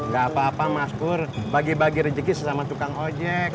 gak apa apa mas pur bagi bagi rezeki sama tukang ojek